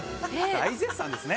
大絶賛ですね。